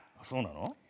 そうなの？